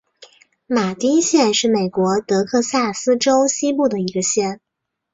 马丁县是美国德克萨斯州西部的一个县。